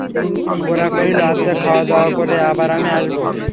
গোরা কহিল, আচ্ছা, খাওয়াদাওয়া করে আবার আমি আসব।